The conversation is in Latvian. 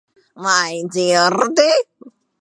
Vai dzirdi?